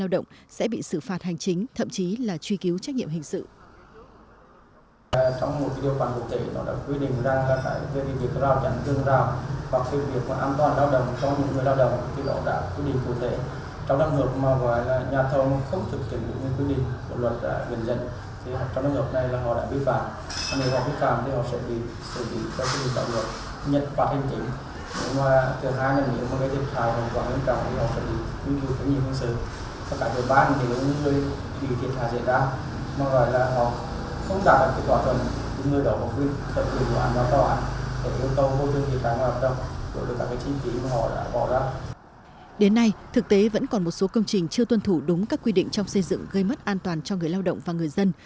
đến nay thực tế vẫn còn một số công trình chưa tuân thủ đúng các quy định trong xây dựng gây mất an toàn cho người lao động và người dân